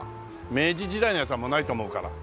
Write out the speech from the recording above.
明治時代のやつはもうないと思うから。